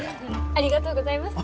ありがとうございます。